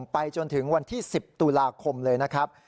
ไปจนถึงวันที่๑๐ตุลาคมเลยนะครับ